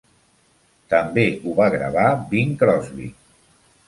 També ho va gravar Bing Crosby.